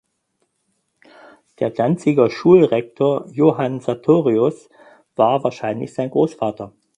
Der Danziger Schulrektor Johann Sartorius war wahrscheinlich sein Großvater.